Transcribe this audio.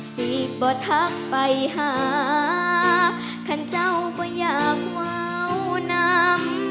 สิบบ่ทักไปหาขันเจ้าก็อยากวาวนำ